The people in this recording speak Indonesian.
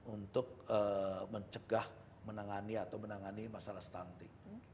untuk mencegah menangani atau menangani masalah stunting